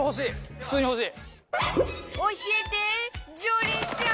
普通に欲しい！